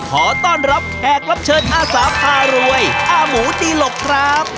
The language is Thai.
ขอต้อนรับแขกรับเชิญอาสาพารวยอาหมูตีหลกครับ